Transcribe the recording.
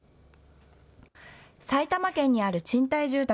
埼玉県にある賃貸住宅。